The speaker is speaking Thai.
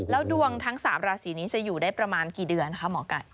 แล้วดวงทั้ง๓ราศีนี้จะอยู่ได้ประมาณกี่เดือนคะหมอไก่